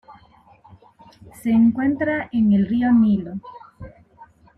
Se encuentra en el rio Nilo